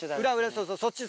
そうそうそっち。